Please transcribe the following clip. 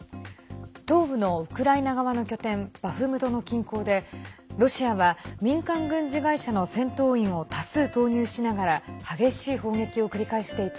東部のウクライナ側の拠点バフムトの近郊でロシアは民間軍事会社の戦闘員を多数投入しながら激しい砲撃を繰り返していて